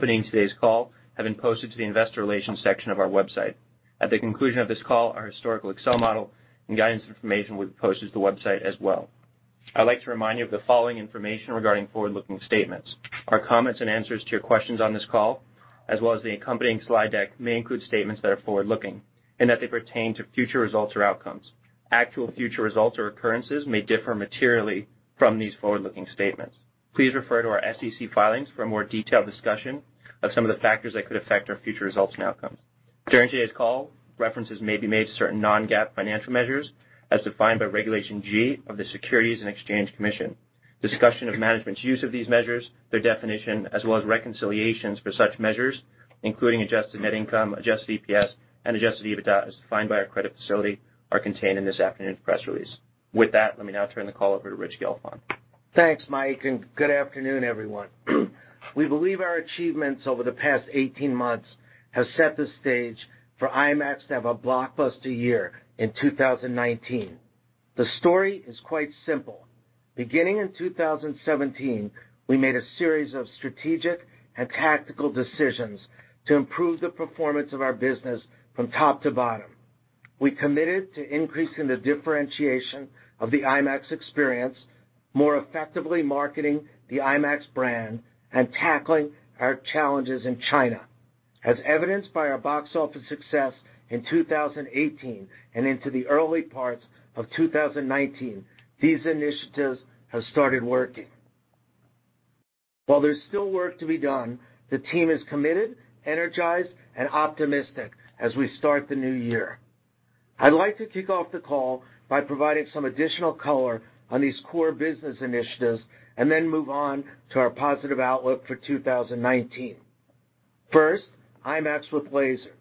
for today's call have been posted to the investor relations section of our website. At the conclusion of this call, our historical Excel model and guidance information will be posted to the website as well. I'd like to remind you of the following information regarding forward-looking statements. Our comments and answers to your questions on this call, as well as the accompanying slide deck, may include statements that are forward-looking and that pertain to future results or outcomes. Actual future results or occurrences may differ materially from these forward-looking statements. Please refer to our SEC filings for a more detailed discussion of some of the factors that could affect our future results and outcomes. During today's call, references may be made to certain non-GAAP financial measures as defined by Regulation G of the U.S. Securities and Exchange Commission. Discussion of management's use of these measures, their definition, as well as reconciliations for such measures, including adjusted net income, adjusted EPS, and adjusted EBITDA as defined by our credit facility, are contained in this afternoon's press release. With that, let me now turn the call over to Rich Gelfond. Thanks, Mike, and good afternoon, everyone. We believe our achievements over the past 18 months have set the stage for IMAX to have a blockbuster year in 2019. The story is quite simple. Beginning in 2017, we made a series of strategic and tactical decisions to improve the performance of our business from top to bottom. We committed to increasing the differentiation of the IMAX experience, more effectively marketing the IMAX brand, and tackling our challenges in China. As evidenced by our box office success in 2018 and into the early part of 2019, these initiatives have started working. While there's still work to be done, the team is committed, energized, and optimistic as we start the new year. I'd like to kick off the call by providing some additional color on these core business initiatives and then move on to our positive outlook for 2019. First, IMAX with Laser.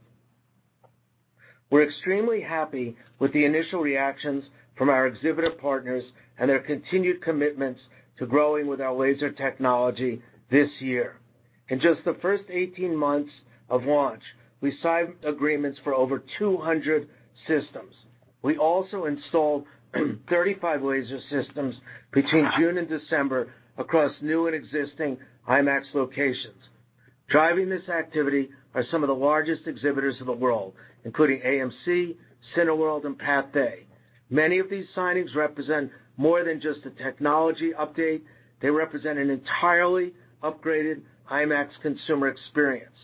We're extremely happy with the initial reactions from our exhibitor partners and their continued commitments to growing with our Laser technology this year. In just the first 18 months of launch, we signed agreements for over 200 systems. We also installed 35 Laser systems between June and December across new and existing IMAX locations. Driving this activity are some of the largest exhibitors in the world, including AMC, Cineworld, and Pathé. Many of these signings represent more than just a technology update. They represent an entirely upgraded IMAX consumer experience.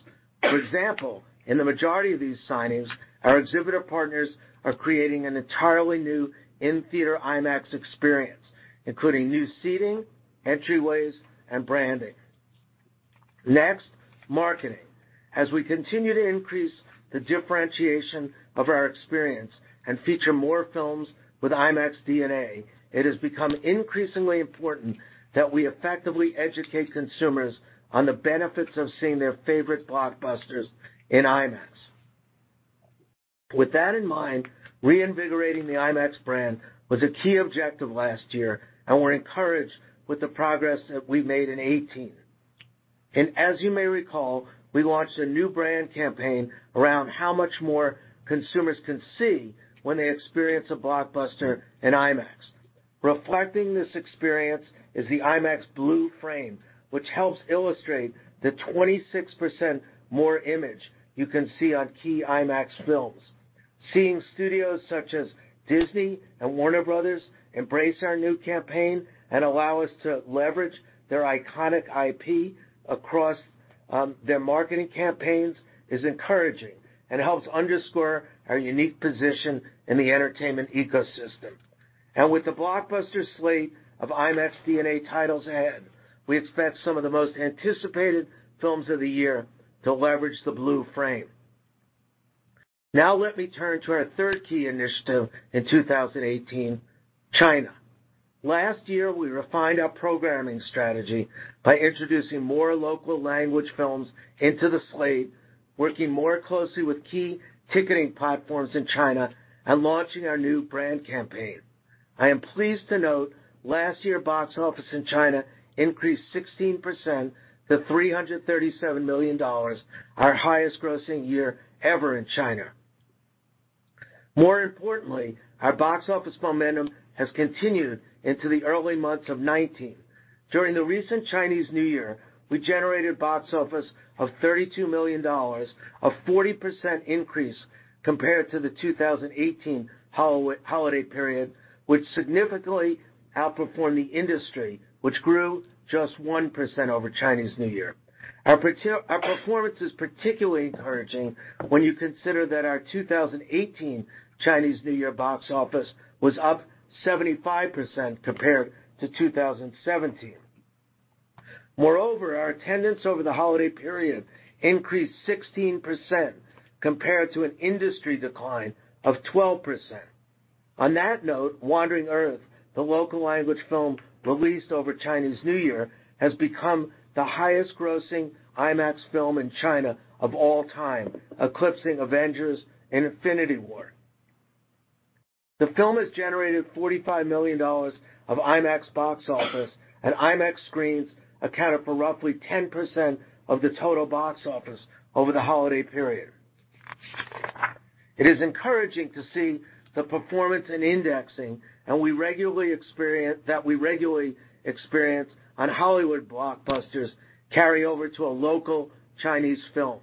For example, in the majority of these signings, our exhibitor partners are creating an entirely new in-theater IMAX experience, including new seating, entryways, and branding. Next, marketing. As we continue to increase the differentiation of our experience and feature more films with IMAX DNA, it has become increasingly important that we effectively educate consumers on the benefits of seeing their favorite blockbusters in IMAX. With that in mind, reinvigorating the IMAX brand was a key objective last year, and we're encouraged with the progress that we've made in 2018, and as you may recall, we launched a new brand campaign around how much more consumers can see when they experience a blockbuster in IMAX. Reflecting this experience is the IMAX Blue Frame, which helps illustrate the 26% more image you can see on key IMAX films. Seeing studios such as Disney and Warner Bros. embrace our new campaign and allow us to leverage their iconic IP across their marketing campaigns is encouraging and helps underscore our unique position in the entertainment ecosystem. With the blockbuster slate of IMAX DNA titles ahead, we expect some of the most anticipated films of the year to leverage the Blue Frame. Now let me turn to our third key initiative in 2018, China. Last year, we refined our programming strategy by introducing more local language films into the slate, working more closely with key ticketing platforms in China, and launching our new brand campaign. I am pleased to note last year's box office in China increased 16% to $337 million, our highest grossing year ever in China. More importantly, our box office momentum has continued into the early months of 2019. During the recent Chinese New Year, we generated box office of $32 million, a 40% increase compared to the 2018 holiday period, which significantly outperformed the industry, which grew just 1% over Chinese New Year. Our performance is particularly encouraging when you consider that our 2018 Chinese New Year box office was up 75% compared to 2017. Moreover, our attendance over the holiday period increased 16% compared to an industry decline of 12%. On that note, Wandering Earth, the local language film released over Chinese New Year, has become the highest-grossing IMAX film in China of all time, eclipsing Avengers: Infinity War. The film has generated $45 million of IMAX box office, and IMAX screens accounted for roughly 10% of the total box office over the holiday period. It is encouraging to see the performance and indexing that we regularly experience on Hollywood blockbusters carry over to a local Chinese film.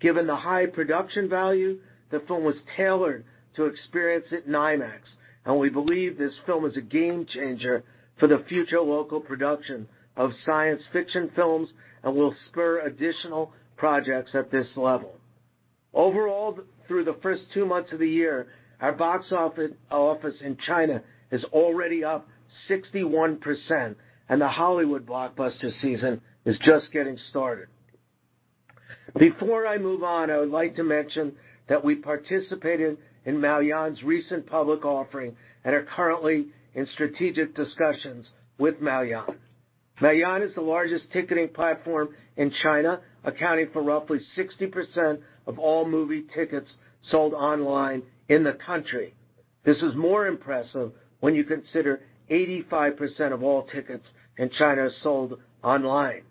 Given the high production value, the film was tailored to experience it in IMAX, and we believe this film is a game changer for the future local production of science fiction films and will spur additional projects at this level. Overall, through the first two months of the year, our box office in China is already up 61%, and the Hollywood blockbuster season is just getting started. Before I move on, I would like to mention that we participated in Maoyan's recent public offering and are currently in strategic discussions with Maoyan. Maoyan is the largest ticketing platform in China, accounting for roughly 60% of all movie tickets sold online in the country. This is more impressive when you consider 85% of all tickets in China sold online.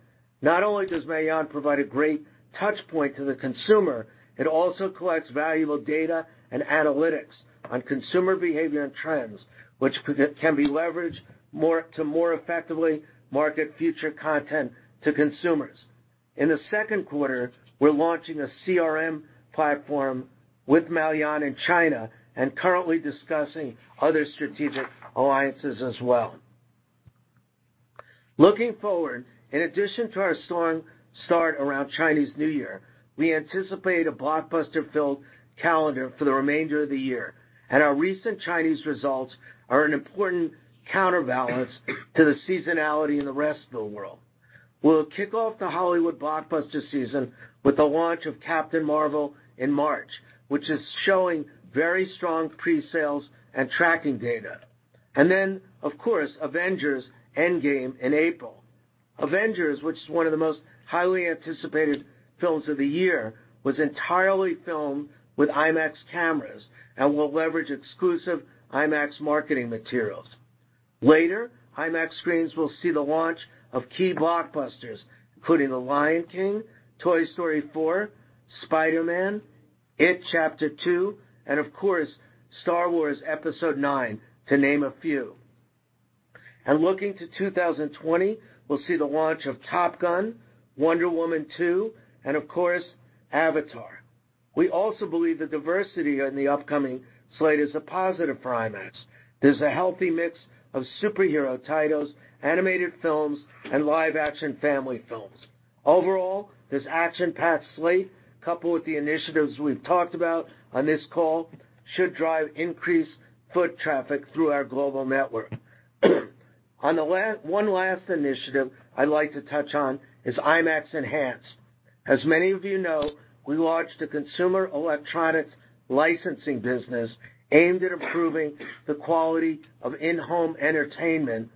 Not only does Maoyan provide a great touchpoint to the consumer, it also collects valuable data and analytics on consumer behavior and trends, which can be leveraged to more effectively market future content to consumers. In the second quarter, we're launching a CRM platform with Maoyan in China and currently discussing other strategic alliances as well. Looking forward, in addition to our strong start around Chinese New Year, we anticipate a blockbuster-filled calendar for the remainder of the year, and our recent Chinese results are an important counterbalance to the seasonality in the rest of the world. We'll kick off the Hollywood blockbuster season with the launch of Captain Marvel in March, which is showing very strong pre-sales and tracking data, and then, of course, Avengers: Endgame in April. Avengers, which is one of the most highly anticipated films of the year, was entirely filmed with IMAX cameras and will leverage exclusive IMAX marketing materials. Later, IMAX screens will see the launch of key blockbusters, including The Lion King, Toy Story 4, Spider-Man, It Chapter Two, and of course, Star Wars: Episode IX, to name a few. And looking to 2020, we'll see the launch of Top Gun, Wonder Woman 2, and of course, Avatar. We also believe the diversity in the upcoming slate is a positive for IMAX. There's a healthy mix of superhero titles, animated films, and live-action family films. Overall, this action-packed slate, coupled with the initiatives we've talked about on this call, should drive increased foot traffic through our global network. One last initiative I'd like to touch on is IMAX Enhanced. As many of you know, we launched a consumer electronics licensing business aimed at improving the quality of in-home entertainment,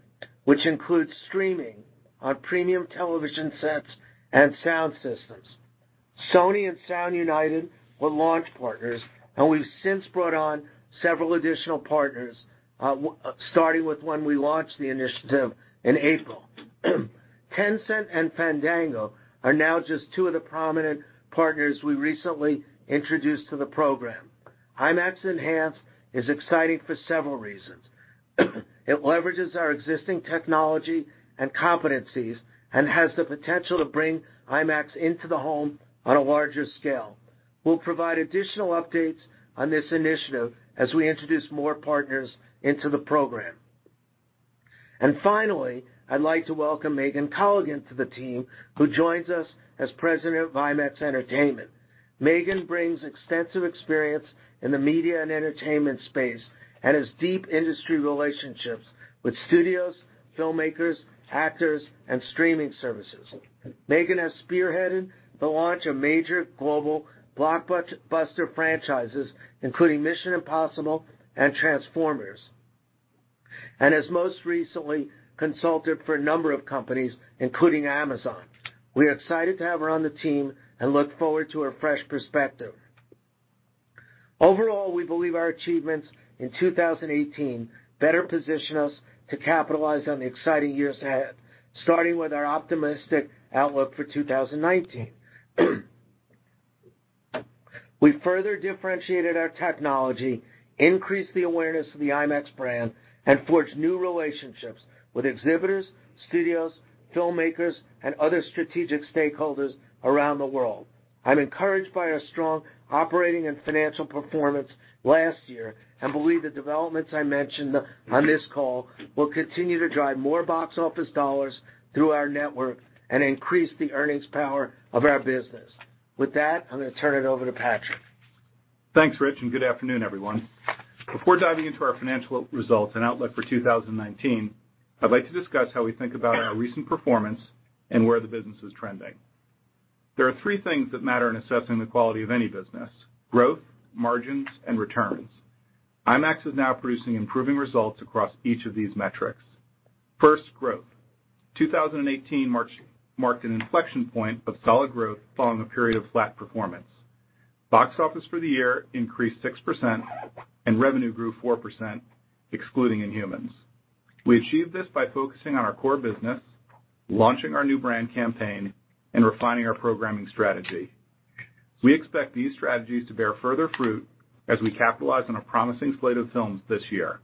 which includes streaming on premium television sets and sound systems. Sony and Sound United were launch partners, and we've since brought on several additional partners, starting with when we launched the initiative in April. Tencent and Fandango are now just two of the prominent partners we recently introduced to the program. IMAX Enhanced is exciting for several reasons. It leverages our existing technology and competencies and has the potential to bring IMAX into the home on a larger scale. We'll provide additional updates on this initiative as we introduce more partners into the program. And finally, I'd like to welcome Megan Colligan to the team, who joins us as President of IMAX Entertainment. Megan brings extensive experience in the media and entertainment space and has deep industry relationships with studios, filmmakers, actors, and streaming services. Megan has spearheaded the launch of major global blockbuster franchises, including Mission: Impossible and Transformers, and has most recently consulted for a number of companies, including Amazon. We are excited to have her on the team and look forward to her fresh perspective. Overall, we believe our achievements in 2018 better position us to capitalize on the exciting years ahead, starting with our optimistic outlook for 2019. We further differentiated our technology, increased the awareness of the IMAX brand, and forged new relationships with exhibitors, studios, filmmakers, and other strategic stakeholders around the world. I'm encouraged by our strong operating and financial performance last year and believe the developments I mentioned on this call will continue to drive more box office dollars through our network and increase the earnings power of our business. With that, I'm going to turn it over to Patrick. Thanks, Rich, and good afternoon, everyone. Before diving into our financial results and outlook for 2019, I'd like to discuss how we think about our recent performance and where the business is trending. There are three things that matter in assessing the quality of any business: growth, margins, and returns. IMAX is now producing improving results across each of these metrics. First, growth. 2018 marked an inflection point of solid growth following a period of flat performance. Box office for the year increased 6%, and revenue grew 4%, excluding Inhumans. We achieved this by focusing on our core business, launching our new brand campaign, and refining our programming strategy. We expect these strategies to bear further fruit as we capitalize on a promising slate of films this year.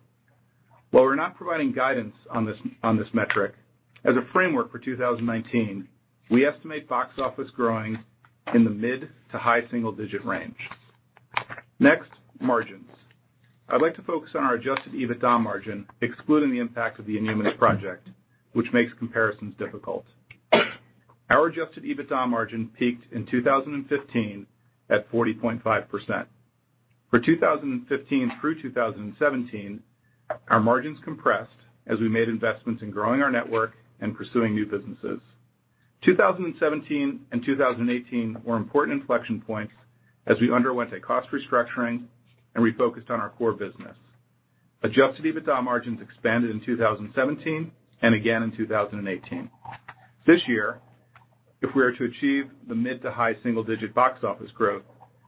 While we're not providing guidance on this metric, as a framework for 2019, we estimate box office growing in the mid- to high-single-digit range. Next, margins. I'd like to focus on our adjusted EBITDA margin, excluding the impact of the Inhumans project, which makes comparisons difficult. Our adjusted EBITDA margin peaked in 2015 at 40.5%. For 2015 through 2017, our margins compressed as we made investments in growing our network and pursuing new businesses. 2017 and 2018 were important inflection points as we underwent a cost restructuring and refocused on our core business. Adjusted EBITDA margins expanded in 2017 and again in 2018. This year, if we are to achieve the mid- to high-single-digit box office growth,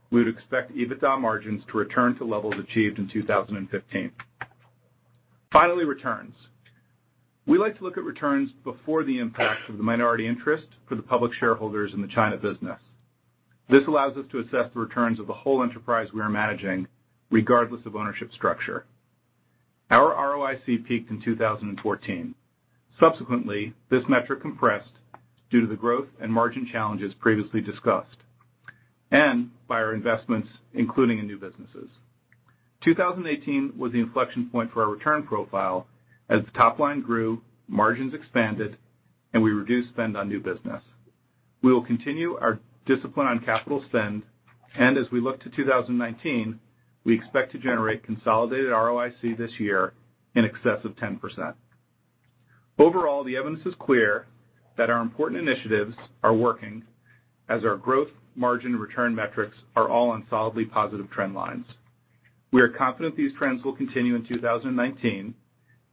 we would expect EBITDA margins to return to levels achieved in 2015. Finally, returns. We like to look at returns before the impact of the minority interest for the public shareholders in the China business. This allows us to assess the returns of the whole enterprise we are managing, regardless of ownership structure. Our ROIC peaked in 2014. Subsequently, this metric compressed due to the growth and margin challenges previously discussed, and by our investments, including in new businesses. 2018 was the inflection point for our return profile as the top line grew, margins expanded, and we reduced spend on new business. We will continue our discipline on capital spend, and as we look to 2019, we expect to generate consolidated ROIC this year in excess of 10%. Overall, the evidence is clear that our important initiatives are working as our growth, margin, and return metrics are all on solidly positive trend lines. We are confident these trends will continue in 2019,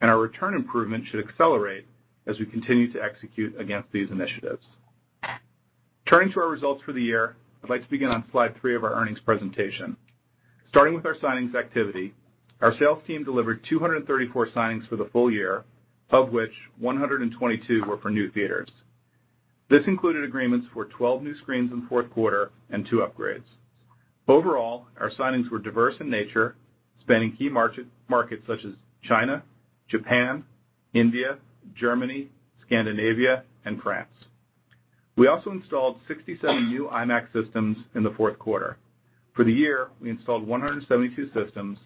and our return improvement should accelerate as we continue to execute against these initiatives. Turning to our results for the year, I'd like to begin on slide three of our earnings presentation. Starting with our signings activity, our sales team delivered 234 signings for the full year, of which 122 were for new theaters. This included agreements for 12 new screens in the fourth quarter and two upgrades. Overall, our signings were diverse in nature, spanning key markets such as China, Japan, India, Germany, Scandinavia, and France. We also installed 67 new IMAX systems in the fourth quarter. For the year, we installed 172 systems,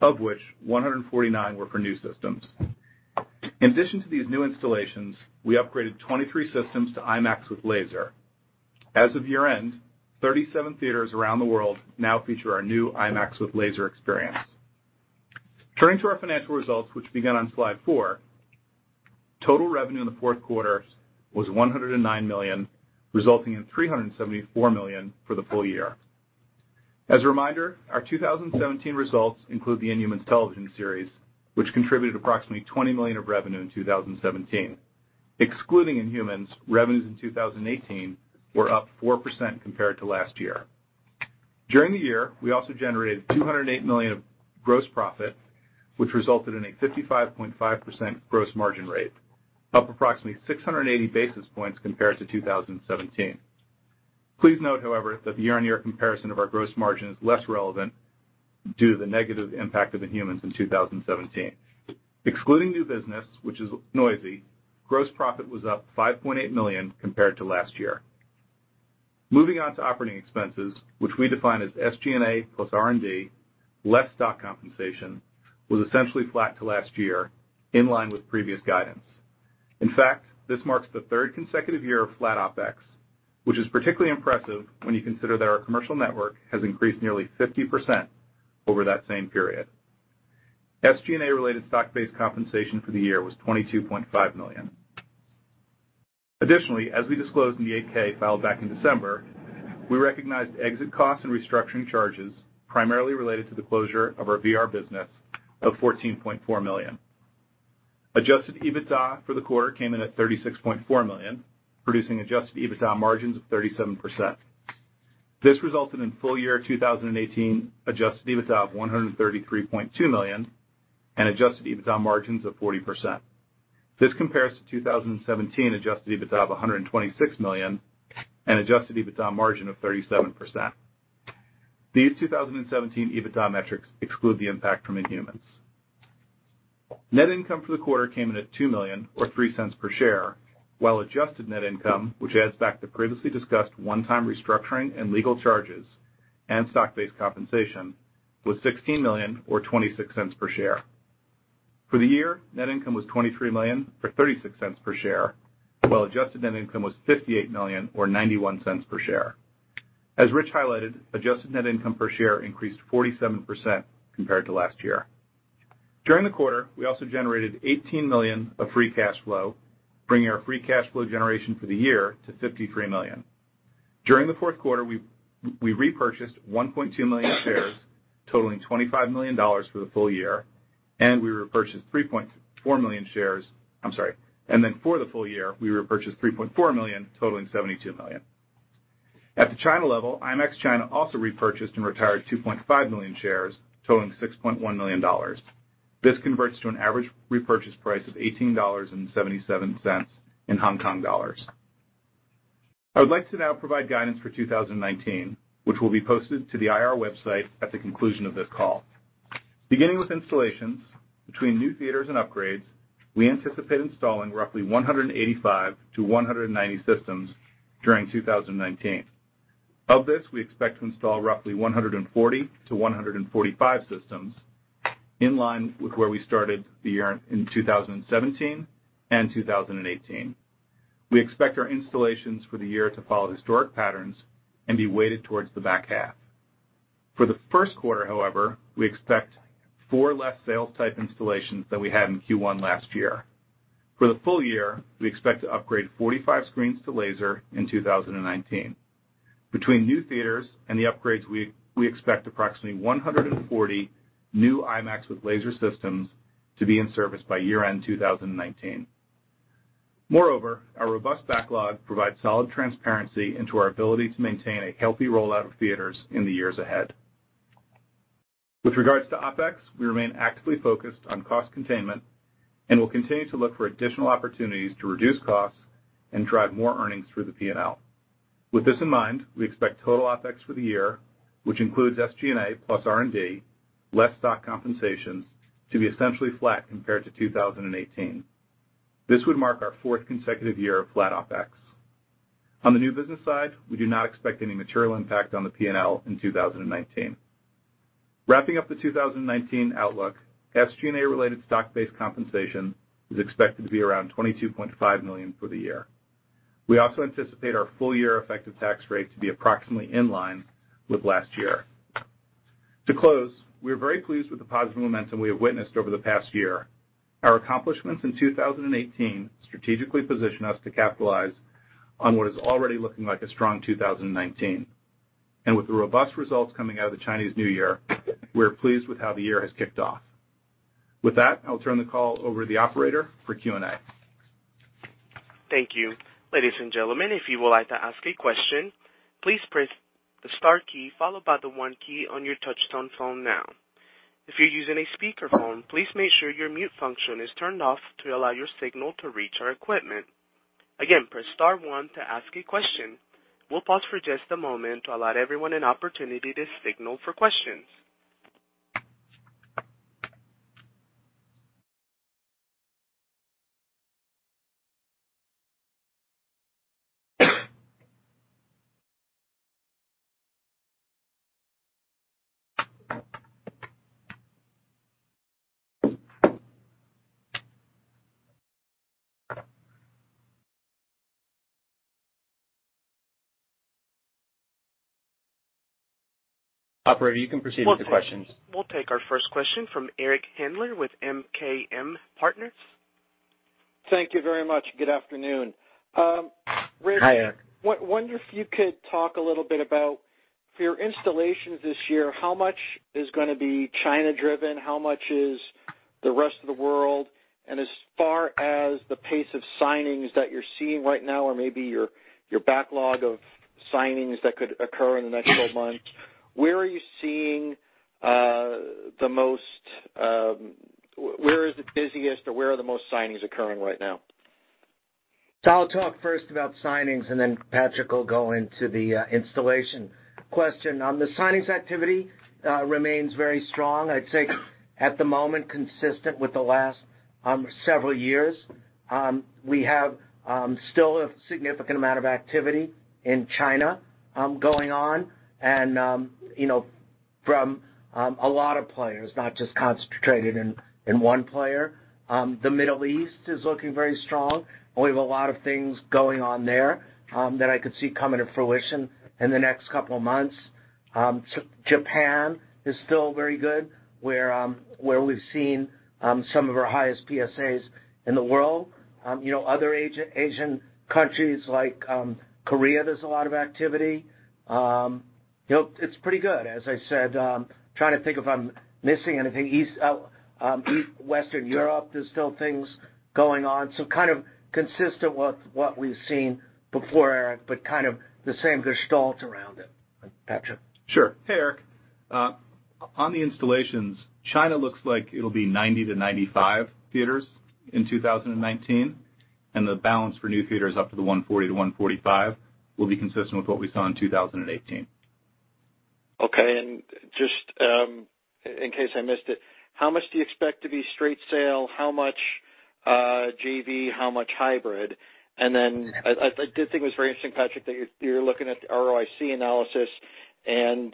of which 149 were for new systems. In addition to these new installations, we upgraded 23 systems to IMAX with Laser. As of year-end, 37 theaters around the world now feature our new IMAX with Laser experience. Turning to our financial results, which began on slide four, total revenue in the fourth quarter was $109 million, resulting in $374 million for the full year. As a reminder, our 2017 results include the Inhumans television series, which contributed approximately $20 million of revenue in 2017. Excluding Inhumans, revenues in 2018 were up 4% compared to last year. During the year, we also generated $208 million of gross profit, which resulted in a 55.5% gross margin rate, up approximately 680 basis points compared to 2017. Please note, however, that the year-on-year comparison of our gross margin is less relevant due to the negative impact of Inhumans in 2017. Excluding new business, which is noisy, gross profit was up $5.8 million compared to last year. Moving on to operating expenses, which we define as SG&A plus R&D, less stock compensation, was essentially flat to last year, in line with previous guidance. In fact, this marks the third consecutive year of flat OPEX, which is particularly impressive when you consider that our commercial network has increased nearly 50% over that same period. SG&A-related stock-based compensation for the year was $22.5 million. Additionally, as we disclosed in the 8-K filed back in December, we recognized exit costs and restructuring charges primarily related to the closure of our VR business of $14.4 million. Adjusted EBITDA for the quarter came in at $36.4 million, producing Adjusted EBITDA margins of 37%. This resulted in full year 2018 Adjusted EBITDA of $133.2 million and Adjusted EBITDA margins of 40%. This compares to 2017 Adjusted EBITDA of $126 million and Adjusted EBITDA margin of 37%. These 2017 EBITDA metrics exclude the impact from Inhumans. Net income for the quarter came in at $2 million or $0.03 per share, while adjusted net income, which adds back the previously discussed one-time restructuring and legal charges and stock-based compensation, was $16 million or $0.26 per share. For the year, net income was $23 million or $0.36 per share, while adjusted net income was $58 million or $0.91 per share. As Rich highlighted, adjusted net income per share increased 47% compared to last year. During the quarter, we also generated $18 million of free cash flow, bringing our free cash flow generation for the year to $53 million. During the fourth quarter, we repurchased 1.2 million shares, totaling $25 million for the full year, and we repurchased 3.4 million shares. I'm sorry. And then for the full year, we repurchased 3.4 million, totaling $72 million. At the China level, IMAX China also repurchased and retired 2.5 million shares, totaling $6.1 million. This converts to an average repurchase price of 18.77 dollars in Hong Kong dollars. I would like to now provide guidance for 2019, which will be posted to the IR website at the conclusion of this call. Beginning with installations, between new theaters and upgrades, we anticipate installing roughly 185-190 systems during 2019. Of this, we expect to install roughly 140-145 systems in line with where we started the year in 2017 and 2018. We expect our installations for the year to follow historic patterns and be weighted towards the back half. For the first quarter, however, we expect four less sales-type installations than we had in Q1 last year. For the full year, we expect to upgrade 45 screens to laser in 2019. Between new theaters and the upgrades, we expect approximately 140 new IMAX with Laser systems to be in service by year-end 2019. Moreover, our robust backlog provides solid transparency into our ability to maintain a healthy rollout of theaters in the years ahead. With regards to OPEX, we remain actively focused on cost containment and will continue to look for additional opportunities to reduce costs and drive more earnings through the P&L. With this in mind, we expect total OPEX for the year, which includes SG&A plus R&D, less stock compensation, to be essentially flat compared to 2018. This would mark our fourth consecutive year of flat OPEX. On the new business side, we do not expect any material impact on the P&L in 2019. Wrapping up the 2019 outlook, SG&A-related stock-based compensation is expected to be around $22.5 million for the year. We also anticipate our full-year effective tax rate to be approximately in line with last year. To close, we are very pleased with the positive momentum we have witnessed over the past year. Our accomplishments in 2018 strategically position us to capitalize on what is already looking like a strong 2019. And with the robust results coming out of the Chinese New Year, we are pleased with how the year has kicked off. With that, I'll turn the call over to the operator for Q&A. Thank you. Ladies and gentlemen, if you would like to ask a question, please press the star key followed by the one key on your touchscreen phone now. If you're using a speakerphone, please make sure your mute function is turned off to allow your signal to reach our equipment. Again, press star one to ask a question. We'll pause for just a moment to allow everyone an opportunity to signal for questions. Operator, you can proceed with the questions. We'll take our first question from Eric Handler with MKM Partners. Thank you very much. Good afternoon. Rich. Hi, Eric. Wonder if you could talk a little bit about, for your installations this year, how much is going to be China-driven, how much is the rest of the world? And as far as the pace of signings that you're seeing right now, or maybe your backlog of signings that could occur in the next 12 months, where are you seeing the most? Where is it busiest, or where are the most signings occurring right now? I'll talk first about signings, and then Patrick will go into the installation question. The signings activity remains very strong. I'd say, at the moment, consistent with the last several years. We have still a significant amount of activity in China going on, and from a lot of players, not just concentrated in one player. The Middle East is looking very strong. We have a lot of things going on there that I could see coming to fruition in the next couple of months. Japan is still very good, where we've seen some of our highest PSAs in the world. Other Asian countries, like Korea, there's a lot of activity. It's pretty good, as I said. Trying to think if I'm missing anything. Eastern Europe is still things going on. It's kind of consistent with what we've seen before, Eric, but kind of the same gestalt around it. Patrick. Sure. Hey, Eric. On the installations, China looks like it'll be 90-95 theaters in 2019, and the balance for new theaters up to the 140-145 will be consistent with what we saw in 2018. Okay. And just in case I missed it, how much do you expect to be straight sale? How much JV? How much hybrid? And then I did think it was very interesting, Patrick, that you're looking at the ROIC analysis, and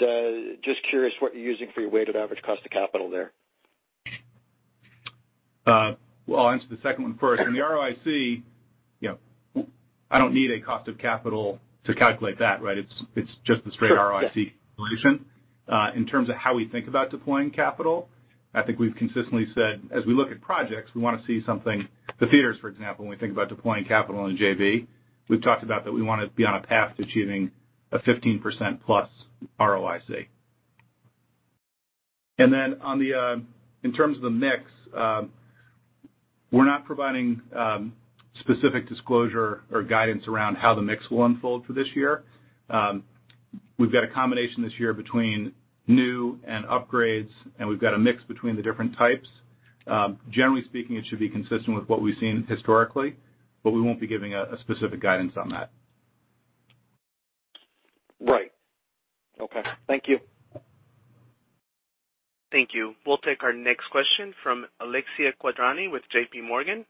just curious what you're using for your weighted average cost of capital there? I'll answer the second one first. In the ROIC, I don't need a cost of capital to calculate that, right? It's just the straight ROIC calculation. In terms of how we think about deploying capital, I think we've consistently said, as we look at projects, we want to see something for theaters, for example, when we think about deploying capital in JV. We've talked about that we want to be on a path to achieving a 15% plus ROIC. And then in terms of the mix, we're not providing specific disclosure or guidance around how the mix will unfold for this year. We've got a combination this year between new and upgrades, and we've got a mix between the different types. Generally speaking, it should be consistent with what we've seen historically, but we won't be giving a specific guidance on that. Right. Okay. Thank you. Thank you. We'll take our next question from Alexia Quadrani with J.P. Morgan.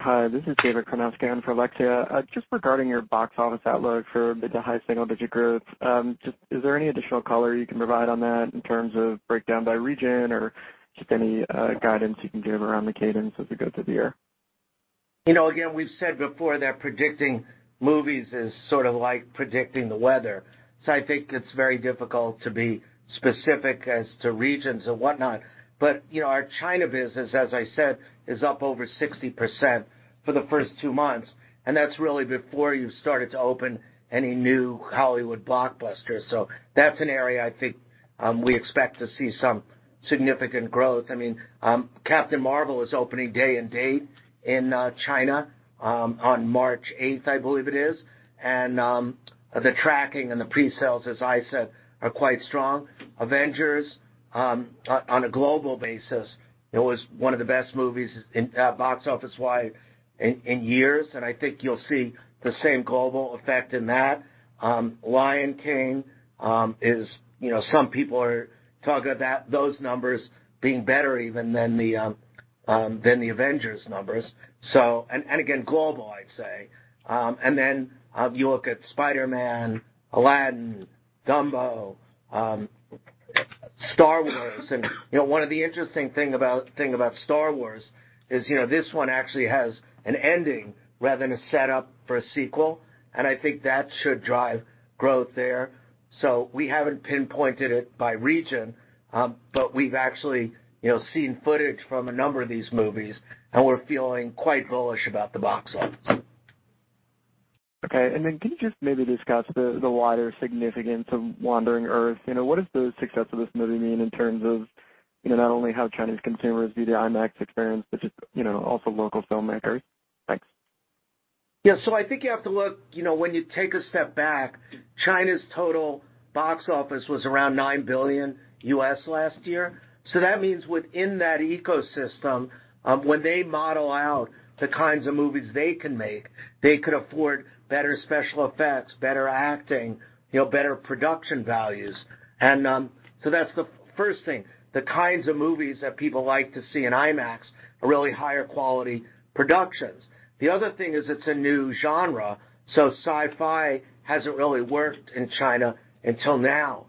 Hi. This is David Karnovsky. I'm from Alexia. Just regarding your box office outlook for the highest single-digit growth, is there any additional color you can provide on that in terms of breakdown by region or just any guidance you can give around the cadence as we go through the year? Again, we've said before that predicting movies is sort of like predicting the weather. So I think it's very difficult to be specific as to regions and whatnot. But our China business, as I said, is up over 60% for the first two months, and that's really before you've started to open any new Hollywood blockbusters. So that's an area I think we expect to see some significant growth. I mean, Captain Marvel is opening day and date in China on March 8th, I believe it is. And the tracking and the pre-sales, as I said, are quite strong. Avengers, on a global basis, was one of the best movies box office-wise in years, and I think you'll see the same global effect in that. The Lion King, some people are talking about those numbers being better even than the Avengers numbers. And again, global, I'd say. Then you look at Spider-Man, Aladdin, Dumbo, Star Wars. One of the interesting things about Star Wars is this one actually has an ending rather than a setup for a sequel, and I think that should drive growth there. We haven't pinpointed it by region, but we've actually seen footage from a number of these movies, and we're feeling quite bullish about the box office. Okay. And then can you just maybe discuss the wider significance of Wandering Earth? What does the success of this movie mean in terms of not only how Chinese consumers view the IMAX experience, but also local filmmakers? Thanks. Yeah. So I think you have to look when you take a step back, China's total box office was around $9 billion last year. So that means within that ecosystem, when they model out the kinds of movies they can make, they could afford better special effects, better acting, better production values. And so that's the first thing. The kinds of movies that people like to see in IMAX are really higher quality productions. The other thing is it's a new genre, so sci-fi hasn't really worked in China until now.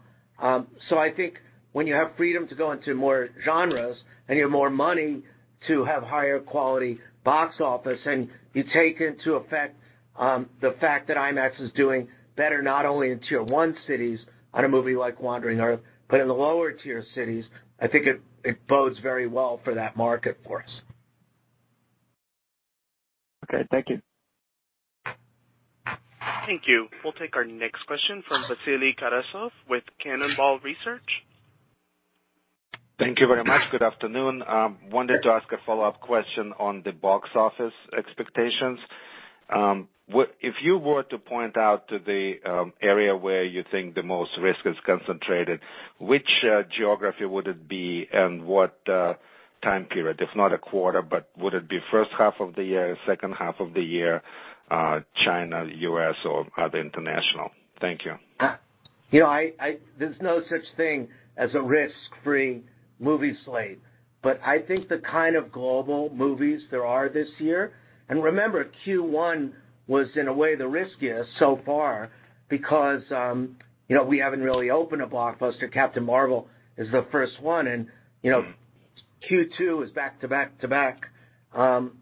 So I think when you have freedom to go into more genres and you have more money to have higher quality box office, and you take into effect the fact that IMAX is doing better not only in tier one cities on a movie like Wandering Earth, but in the lower-tier cities, I think it bodes very well for that market for us. Okay. Thank you. Thank you. We'll take our next question from Vasily Karasyov with Cannonball Research. Thank you very much. Good afternoon. Wanted to ask a follow-up question on the box office expectations. If you were to point out to the area where you think the most risk is concentrated, which geography would it be and what time period? If not a quarter, but would it be first half of the year, second half of the year, China, U.S., or other international? Thank you. There's no such thing as a risk-free movie slate, but I think the kind of global movies there are this year and remember, Q1 was in a way the riskiest so far because we haven't really opened a blockbuster. Captain Marvel is the first one, and Q2 is back to back to back. Again,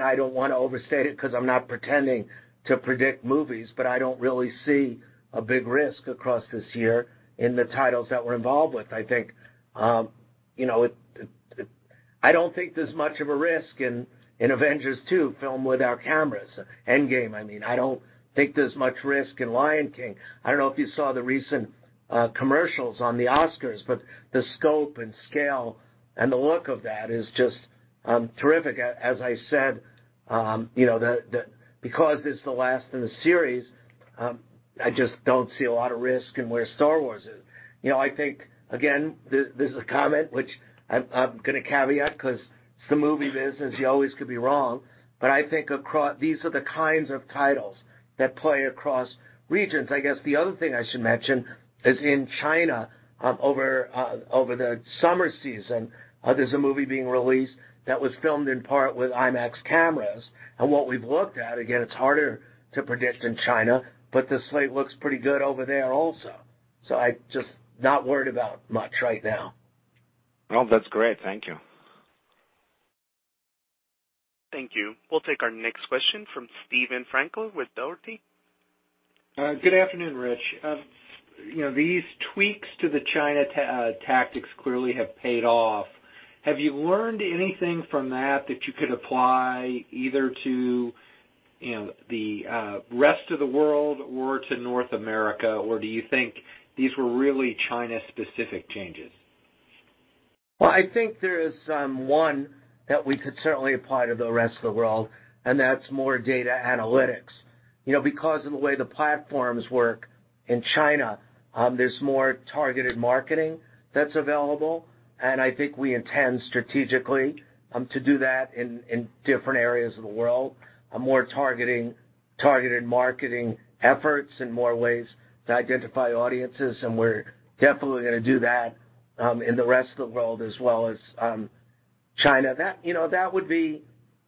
I don't want to overstate it because I'm not pretending to predict movies, but I don't really see a big risk across this year in the titles that we're involved with. I think I don't think there's much of a risk in Avengers 2, filmed with our cameras, Endgame. I mean, I don't think there's much risk in Lion King. I don't know if you saw the recent commercials on the Oscars, but the scope and scale and the look of that is just terrific. As I said, because it's the last in the series, I just don't see a lot of risk in where Star Wars is. I think, again, this is a comment which I'm going to caveat because it's the movie business. You always could be wrong. But I think these are the kinds of titles that play across regions. I guess the other thing I should mention is in China, over the summer season, there's a movie being released that was filmed in part with IMAX cameras. And what we've looked at, again, it's harder to predict in China, but the slate looks pretty good over there also. So I'm just not worried about much right now. Well, that's great. Thank you. Thank you. We'll take our next question from Steven Frankel with Dougherty. Good afternoon, Rich. These tweaks to the China tactics clearly have paid off. Have you learned anything from that that you could apply either to the rest of the world or to North America, or do you think these were really China-specific changes? I think there is one that we could certainly apply to the rest of the world, and that's more data analytics. Because of the way the platforms work in China, there's more targeted marketing that's available, and I think we intend strategically to do that in different areas of the world, more targeted marketing efforts in more ways to identify audiences. And we're definitely going to do that in the rest of the world as well as China. That would be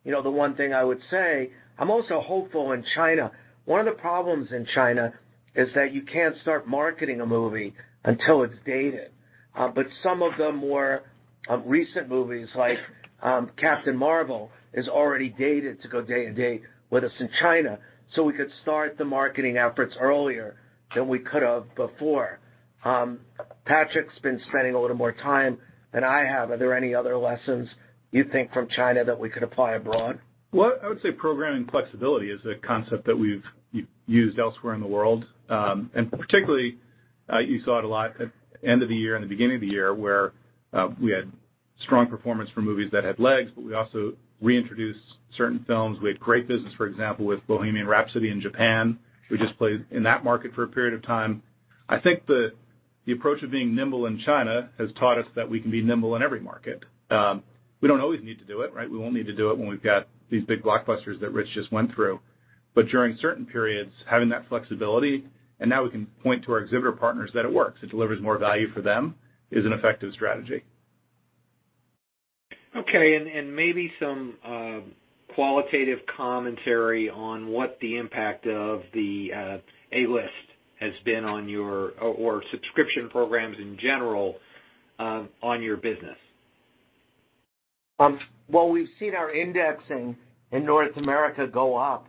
the one thing I would say. I'm also hopeful in China. One of the problems in China is that you can't start marketing a movie until it's dated. But some of the more recent movies like Captain Marvel are already dated to go day and date with us in China. So we could start the marketing efforts earlier than we could have before. Patrick's been spending a little more time than I have. Are there any other lessons you think from China that we could apply abroad? I would say programming flexibility is a concept that we've used elsewhere in the world, and particularly, you saw it a lot at the end of the year and the beginning of the year where we had strong performance for movies that had legs, but we also reintroduced certain films. We had great business, for example, with Bohemian Rhapsody in Japan. We just played in that market for a period of time. I think the approach of being nimble in China has taught us that we can be nimble in every market. We don't always need to do it, right? We won't need to do it when we've got these big blockbusters that Rich just went through, but during certain periods, having that flexibility, and now we can point to our exhibitor partners that it works, it delivers more value for them, is an effective strategy. Okay. And maybe some qualitative commentary on what the impact of the A-List has been on your or subscription programs in general on your business? We've seen our indexing in North America go up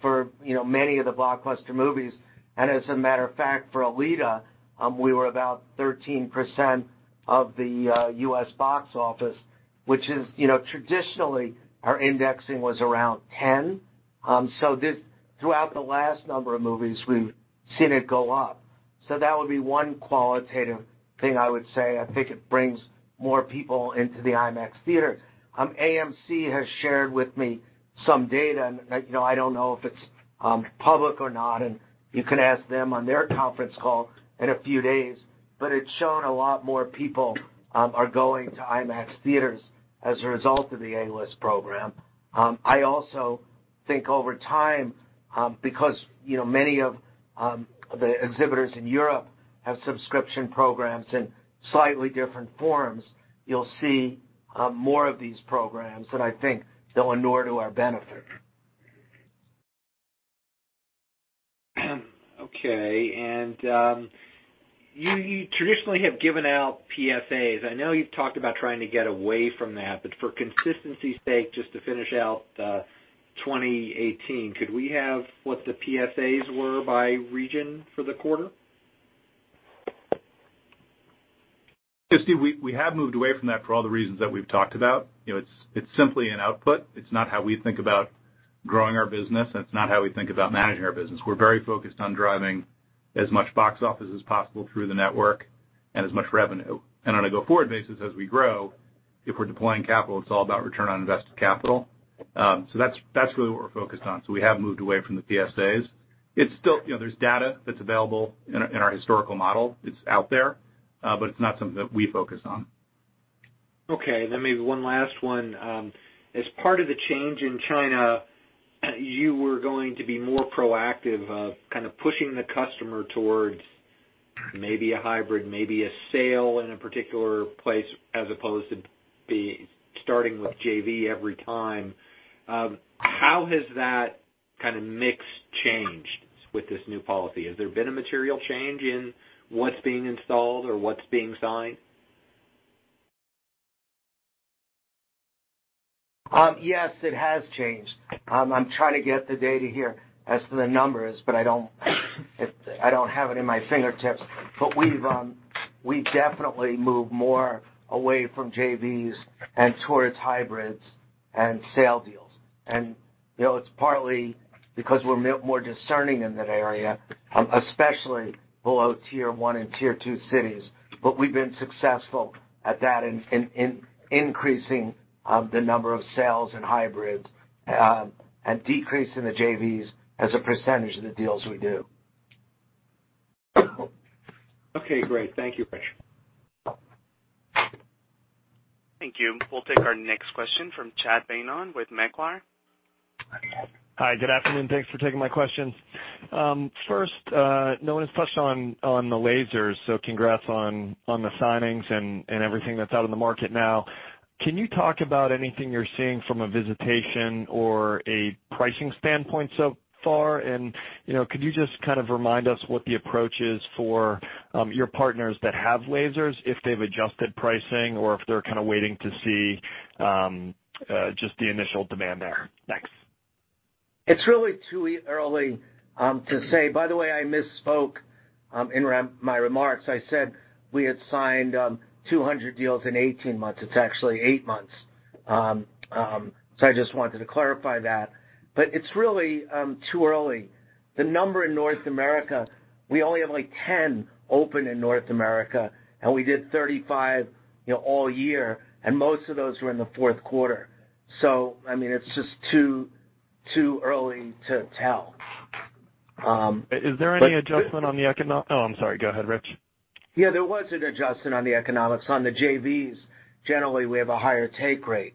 for many of the blockbuster movies. As a matter of fact, for Alita, we were about 13% of the U.S. box office, which is traditionally our indexing was around 10%. Throughout the last number of movies, we've seen it go up. That would be one qualitative thing I would say. I think it brings more people into the IMAX theaters. AMC has shared with me some data, and I don't know if it's public or not, and you can ask them on their conference call in a few days, but it's shown a lot more people are going to IMAX theaters as a result of the A-list program. I also think over time, because many of the exhibitors in Europe have subscription programs in slightly different forms, you'll see more of these programs, and I think they'll inure to our benefit. Okay, and you traditionally have given out PSAs. I know you've talked about trying to get away from that, but for consistency's sake, just to finish out 2018, could we have what the PSAs were by region for the quarter? We have moved away from that for all the reasons that we've talked about. It's simply an output. It's not how we think about growing our business, and it's not how we think about managing our business. We're very focused on driving as much box office as possible through the network and as much revenue. And on a go-forward basis, as we grow, if we're deploying capital, it's all about Return on Invested Capital. So that's really what we're focused on. So we have moved away from the PSAs. There's data that's available in our historical model. It's out there, but it's not something that we focus on. Okay. Then maybe one last one. As part of the change in China, you were going to be more proactive of kind of pushing the customer towards maybe a hybrid, maybe a sale in a particular place as opposed to starting with JV every time. How has that kind of mix changed with this new policy? Has there been a material change in what's being installed or what's being signed? Yes, it has changed. I'm trying to get the data here as to the numbers, but I don't have it at my fingertips. But we've definitely moved more away from JVs and towards hybrids and sale deals. And it's partly because we're more discerning in that area, especially below tier one and tier two cities. But we've been successful at that in increasing the number of sales and hybrids and decreasing the JVs as a percentage of the deals we do. Okay. Great. Thank you, Rich. Thank you. We'll take our next question from Chad Beynon with Macquarie. Hi. Good afternoon. Thanks for taking my questions. First, no one has touched on the lasers, so congrats on the signings and everything that's out in the market now. Can you talk about anything you're seeing from a visitation or a pricing standpoint so far? And could you just kind of remind us what the approach is for your partners that have lasers, if they've adjusted pricing or if they're kind of waiting to see just the initial demand there? Thanks. It's really too early to say. By the way, I misspoke in my remarks. I said we had signed 200 deals in 18 months. It's actually 8 months, so I just wanted to clarify that, but it's really too early. The number in North America, we only have like 10 open in North America, and we did 35 all year, and most of those were in the fourth quarter, so I mean, it's just too early to tell. Is there any adjustment on the economic? Oh, I'm sorry. Go ahead, Rich. Yeah. There was an adjustment on the economics. On the JVs, generally, we have a higher take rate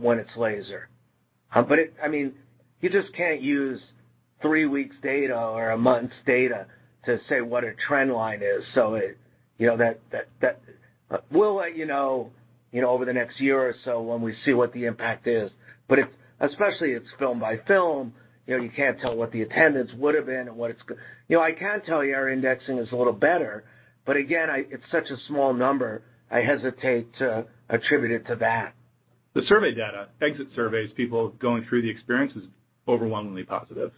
when it's laser. But I mean, you just can't use three weeks' data or a month's data to say what a trend line is. So that we'll let you know over the next year or so when we see what the impact is. But especially it's film by film, you can't tell what the attendance would have been and what it's going to be. I can tell you our indexing is a little better, but again, it's such a small number, I hesitate to attribute it to that. The survey data, exit surveys, people going through the experience is overwhelmingly positive.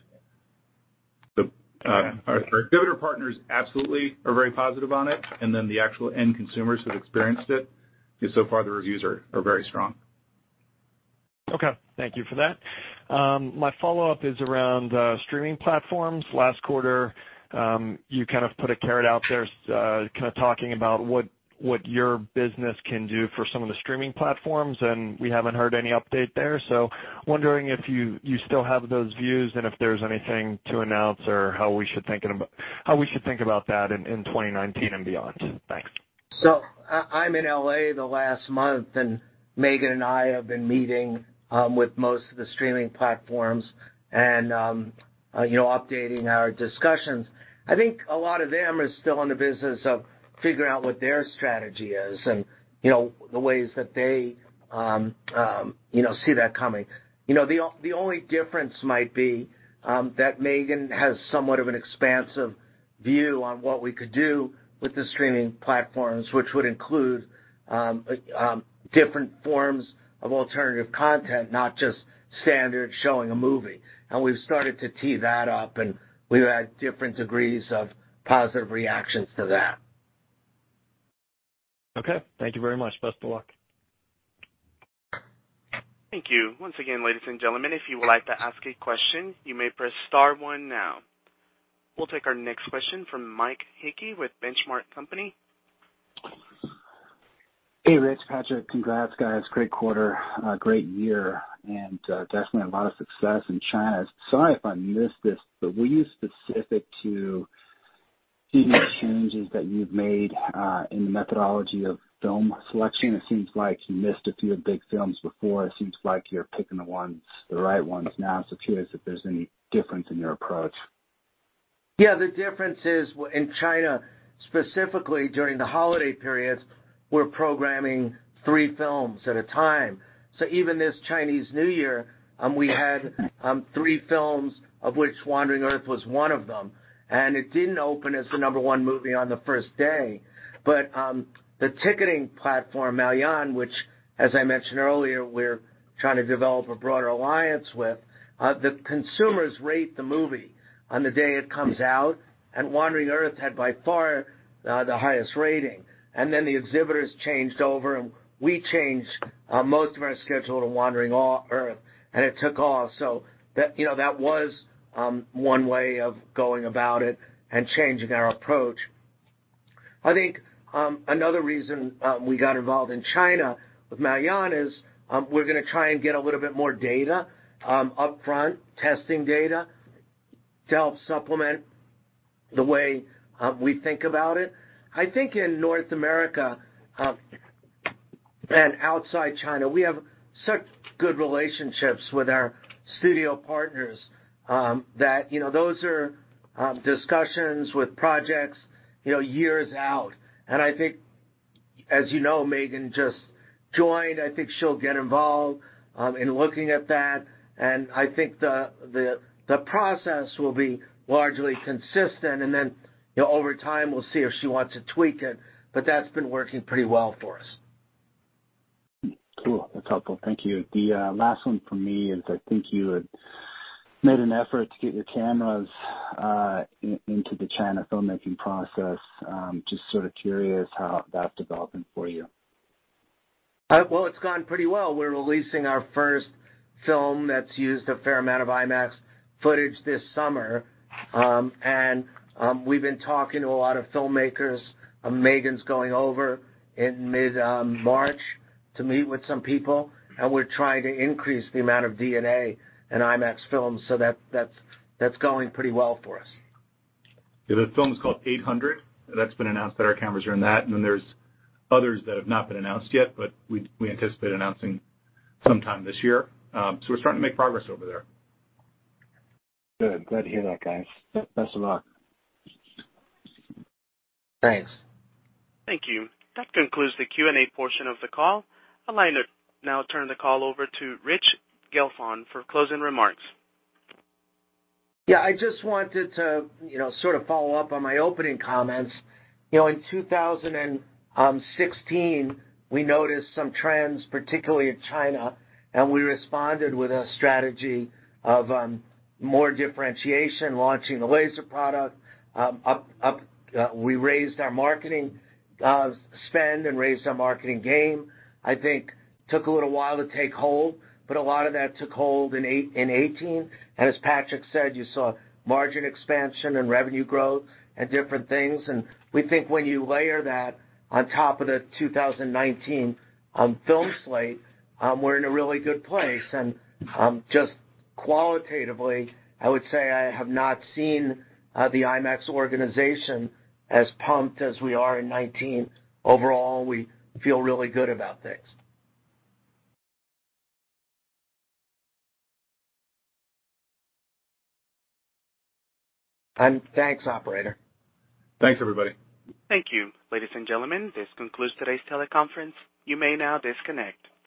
Our exhibitor partners absolutely are very positive on it, and then the actual end consumers have experienced it. So far, the reviews are very strong. Okay. Thank you for that. My follow-up is around streaming platforms. Last quarter, you kind of put a carrot out there kind of talking about what your business can do for some of the streaming platforms, and we haven't heard any update there. So wondering if you still have those views and if there's anything to announce or how we should think about that in 2019 and beyond. Thanks. So I'm in LA the last month, and Megan and I have been meeting with most of the streaming platforms and updating our discussions. I think a lot of them are still in the business of figuring out what their strategy is and the ways that they see that coming. The only difference might be that Megan has somewhat of an expansive view on what we could do with the streaming platforms, which would include different forms of alternative content, not just standard showing a movie. And we've started to tee that up, and we've had different degrees of positive reactions to that. Okay. Thank you very much. Best of luck. Thank you. Once again, ladies and gentlemen, if you would like to ask a question, you may press star one now. We'll take our next question from Mike Hickey with Benchmark Company. Hey, Rich. Patrick, congrats, guys. Great quarter, great year, and definitely a lot of success in China. Sorry if I missed this, but were you specific to any changes that you've made in the methodology of film selection? It seems like you missed a few big films before. It seems like you're picking the right ones now. So curious if there's any difference in your approach. Yeah. The difference is in China, specifically during the holiday periods, we're programming three films at a time. So even this Chinese New Year, we had three films, of which Wandering Earth was one of them. And it didn't open as the number one movie on the first day. But the ticketing platform, Maoyan, which, as I mentioned earlier, we're trying to develop a broader alliance with, the consumers rate the movie on the day it comes out. And Wandering Earth had by far the highest rating. And then the exhibitors changed over, and we changed most of our schedule to Wandering Earth, and it took off. So that was one way of going about it and changing our approach. I think another reason we got involved in China with Maoyan is we're going to try and get a little bit more data upfront, testing data to help supplement the way we think about it. I think in North America and outside China, we have such good relationships with our studio partners that those are discussions with projects years out. And I think, as you know, Megan just joined. I think she'll get involved in looking at that. And I think the process will be largely consistent. And then over time, we'll see if she wants to tweak it. But that's been working pretty well for us. Cool. That's helpful. Thank you. The last one for me is I think you had made an effort to get your cameras into the China filmmaking process. Just sort of curious how that's developing for you. It's gone pretty well. We're releasing our first film that's used a fair amount of IMAX footage this summer. We've been talking to a lot of filmmakers. Megan's going over in mid-March to meet with some people. We're trying to increase the amount of DNA in IMAX film, so that's going pretty well for us. Yeah. The film is called The Eight Hundred. That's been announced that our cameras are in that. And then there's others that have not been announced yet, but we anticipate announcing sometime this year. So we're starting to make progress over there. Good. Glad to hear that, guys. Thanks a lot. Thanks. Thank you. That concludes the Q&A portion of the call. I'd like to now turn the call over to Rich Gelfond for closing remarks. Yeah. I just wanted to sort of follow up on my opening comments. In 2016, we noticed some trends, particularly in China, and we responded with a strategy of more differentiation, launching the laser product. We raised our marketing spend and raised our marketing game. I think it took a little while to take hold, but a lot of that took hold in 2018. And as Patrick said, you saw margin expansion and revenue growth and different things. And we think when you layer that on top of the 2019 film slate, we're in a really good place. And just qualitatively, I would say I have not seen the IMAX organization as pumped as we are in 2019. Overall, we feel really good about things. And thanks, operator. Thanks, everybody. Thank you, ladies and gentlemen. This concludes today's teleconference. You may now disconnect.